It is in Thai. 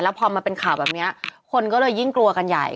พอมาเป็นข่าวแบบนี้คนก็เลยยิ่งกลัวกันใหญ่